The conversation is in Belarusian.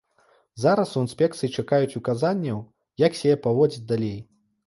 Зараз у інспекцыі чакаюць указанняў, як сябе паводзіць далей.